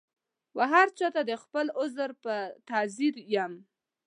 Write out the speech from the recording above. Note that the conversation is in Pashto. وهرچا ته د خپل عذر په تعذیر یم